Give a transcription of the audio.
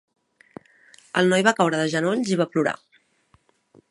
El noi va caure de genolls i va plorar.